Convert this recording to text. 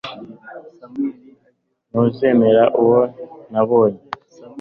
Ntuzemera uwo nabonye